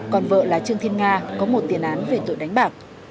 còn vợ là trương thiên nga có một tiền án về tội đánh bạc